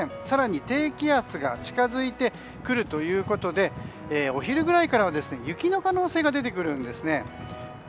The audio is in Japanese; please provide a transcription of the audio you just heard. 更に低気圧が近づいてくるということでお昼ぐらいからは雪の可能性が出てくるんですね。